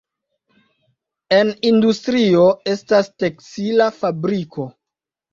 En industrio estas tekstila fabriko.